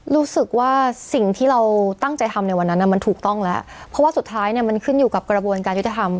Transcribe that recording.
รู้สึกว่าสิ่งที่เราตั้งใจทำในวันนั้นมันถูกต้องแล้วเพราะว่าสุดท้ายเนี่ยมันขึ้นอยู่กับกระบวนการยุติธรรม